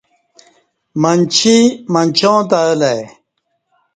منچی منچاں تہ الہ ای